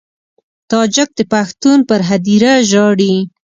تاجک د پښتون پر هدیره ژاړي.